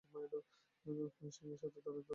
Feng shui এবং ওর সাথীদের ধরার চেষ্টা কেন করছিলে?